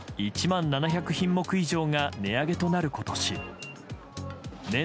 １万７００品目以上が値上げとなる今年。